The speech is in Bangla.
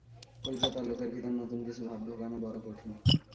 কলিকাতার লোকের ভিতর নূতন কিছু ভাব ঢোকান বড় কঠিন।